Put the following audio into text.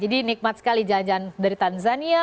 jadi nikmat sekali jalan jalan dari tanzania